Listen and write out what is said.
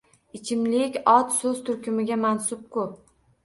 Ichimlik ot soʻz turkumiga mansub-ku